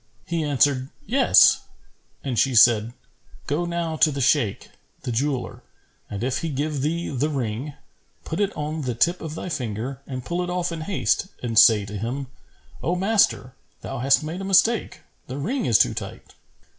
He answered, "Yes," and she said, "Go now to the Shaykh, the jeweller, and if he give thee the ring, put it on the tip of thy finger and pull it off in haste and say to him, 'O master, thou hast made a mistake; the ring is too tight.'